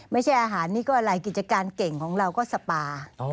ไม่ใช่อาหารนี่ก็อะไรกิจการเก่งของเราก็สปา